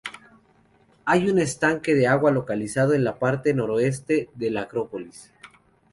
Hay un estanque de agua localizado en la parte noroeste de la acrópolis.